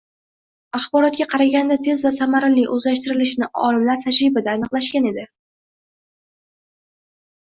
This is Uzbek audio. axborotga qaraganda tez va samarali o‘zlashtirilishini olimlar tajribada aniqlashgan edi.